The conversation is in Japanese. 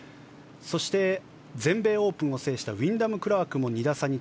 そして、全米オープンを制したウィンダム・クラークも３位。